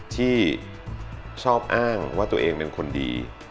ที่ชอบอ้างว่าตัวเองเป็นคนดี